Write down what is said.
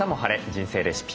人生レシピ」